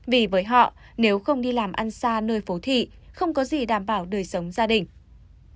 vì với họ nếu không đi làm ăn xa nơi phố thị không có gì đảm bảo đời sống gia đình